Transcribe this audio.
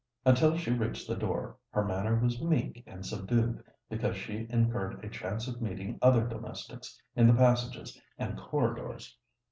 Until she reached the door, her manner was meek and subdued, because she incurred a chance of meeting other domestics in the passages and corridors.